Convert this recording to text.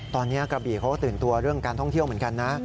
ตอนนี้กระบี่เขาก็ตื่นตัวเรื่องการท่องเที่ยวเหมือนกันนะ